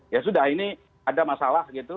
ya sudah ini ada masalah gitu